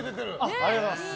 ありがとうございます。